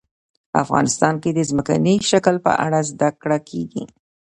افغانستان کې د ځمکنی شکل په اړه زده کړه کېږي.